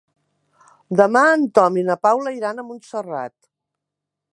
Demà en Tom i na Paula iran a Montserrat.